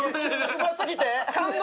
うますぎて。